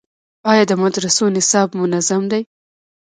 آیا د مدرسو نصاب منظم دی؟